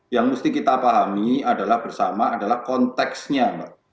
yang mesti kita pahami adalah bersama adalah konteksnya mbak